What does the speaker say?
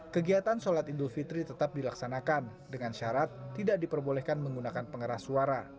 kegiatan sholat idul fitri tetap dilaksanakan dengan syarat tidak diperbolehkan menggunakan pengeras suara